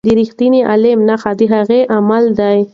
د رښتیني عالم نښه د هغه عمل دی.